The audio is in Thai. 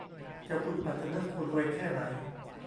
เจ้าคุณปัจจนึก รวยแค่ไหน